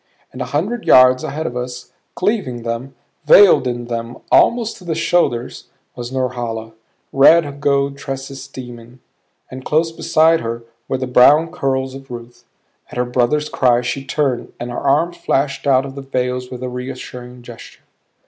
And a hundred yards ahead of us, cleaving them, veiled in them almost to the shoulders, was Norhala, red gold tresses steaming; and close beside her were the brown curls of Ruth. At her brother's cry she turned and her arm flashed out of the veils with reassuring gesture.